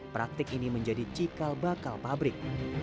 praktik ini menjadi cikal bakal pabrik